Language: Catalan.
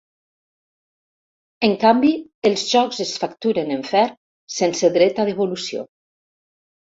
En canvi, els jocs es facturen en ferm, sense dret a devolució.